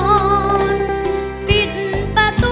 ปิดประตูปิดประตู